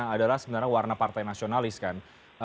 adalah sebenarnya warna partai nasionalis kan